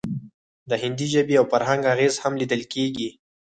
د هندي ژبې او فرهنګ اغیز هم لیدل کیږي